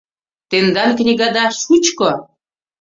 — Тендан книгада шучко!